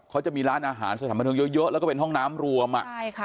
เขาจะมีร้านอาหารสถานบันเทิงเยอะเยอะแล้วก็เป็นห้องน้ำรวมอ่ะใช่ค่ะ